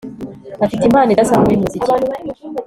Afite impano idasanzwe yumuziki